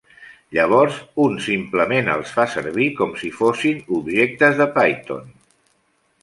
Llavors un simplement els fa servir com si fossin objectes de Python.